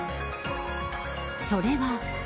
それは。